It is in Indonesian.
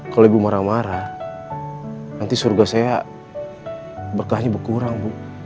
kalau ibu marah marah nanti surga saya berkahnya berkurang bu